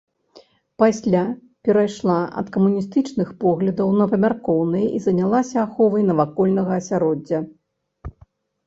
Пасля перайшла ад камуністычных поглядаў на памяркоўныя і занялася аховай навакольнага асяроддзя.